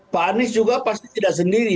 pak anies juga pasti tidak sendiri